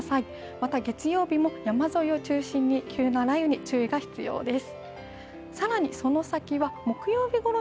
また月曜日も山沿いを中心に急な雷雨に注意が必要です。